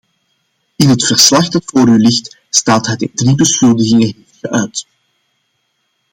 In het verslag dat voor u ligt staat dat hij drie beschuldigingen heeft geuit.